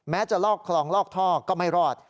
จะลอกคลองลอกท่อก็ไม่รอด